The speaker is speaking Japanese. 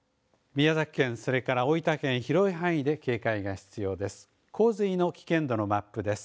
宮崎県、それから大分県広い範囲で警戒が必要です。